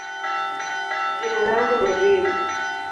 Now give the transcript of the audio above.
jina langu ni Reem.